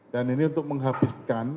dan ini untuk menghabiskan